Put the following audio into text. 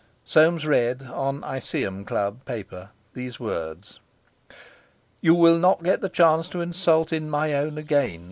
Soames read, on Iseeum Club paper, these words: 'You will not get chance to insult in my own again.